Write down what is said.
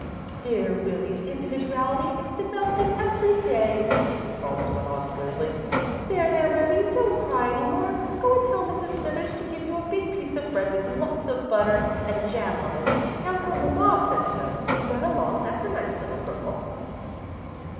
"Dear Willie's individuality is developing every day," Mrs. Holmes went on, smoothly. "There, there, Rebbie, don't cry any more. Go and tell Mrs. Smithers to give you a big piece of bread with lots of butter and jam on it. Tell her mamma said so. Run along, that's a nice little girl."